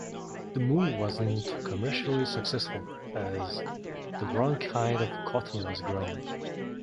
The move was not commercially successful, as the wrong kind of cotton was grown.